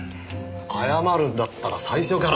謝るんだったら最初から。